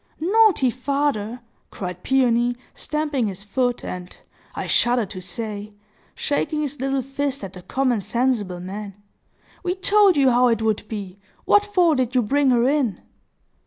"Naughty father!" cried Peony, stamping his foot, and—I shudder to say—shaking his little fist at the common sensible man. "We told you how it would be! What for did you bring her in?"